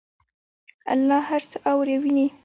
الله هر څه اوري او ویني